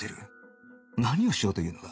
何をしようというんだ？